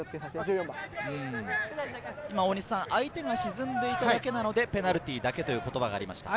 相手が沈んでいただけなので、ペナルティーだけという言葉がありました。